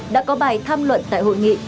đã có bài tham luận tại hội nghị